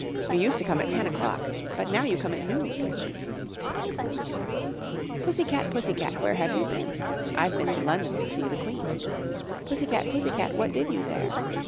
You used to come at ten o'clock, But now you come at noon! Pussy cat, pussy cat, where have you been? I've been to London to see the Queen. Pussy cat, pussy cat, what did you there?